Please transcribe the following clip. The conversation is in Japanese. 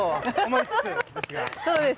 そうです。